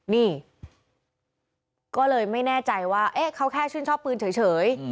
นี่ก็เลยไม่แน่ใจว่าเขาแค่ชื่นชอบปืนเฉย